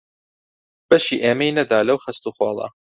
بەشی ئێمەی نەدا لەو خەست و خۆڵە